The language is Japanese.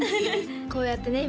こうやってね